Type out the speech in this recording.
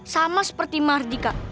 sama seperti mahardika